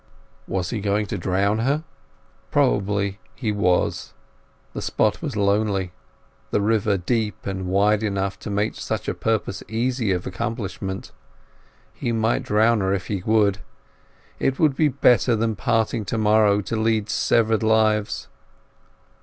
Was he going to drown her? Probably he was. The spot was lonely, the river deep and wide enough to make such a purpose easy of accomplishment. He might drown her if he would; it would be better than parting to morrow to lead severed lives.